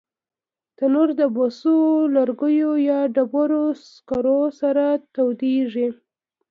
تنور د بوسو، لرګیو یا ډبرو سکرو سره تودېږي